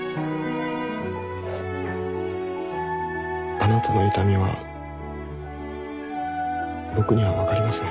あなたの痛みは僕には分かりません。